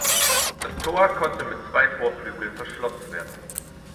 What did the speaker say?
Das Tor konnte mit zwei Torflügeln verschlossen werden.